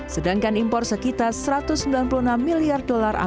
sedangkan impor sekitar rp satu ratus sembilan puluh enam miliar